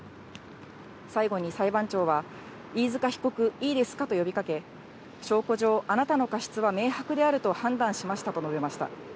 最後に裁判長は、飯塚被告、いいですかと呼びかけ、証拠上、あなたの過失は明白であると判断しましたと述べました。